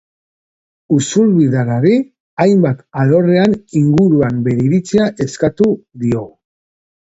Usurbildarrari hainbat alorren inguruan bere iritzia eskatu diogu.